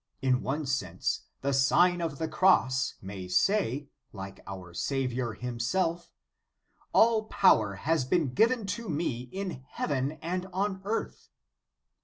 In one sense the Sign of the Cross may say, like our Saviour Himself: "All power has been given to me in heaven and on earth."